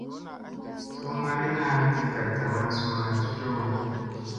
Suu mariina di gaɗta maŋ suuna cocoo.